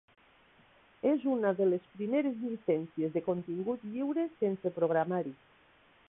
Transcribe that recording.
És una de les primeres llicències de contingut lliure sense programari.